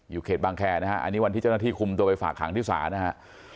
เขตบางแคร์นะฮะอันนี้วันที่เจ้าหน้าที่คุมตัวไปฝากหางที่ศาลนะฮะ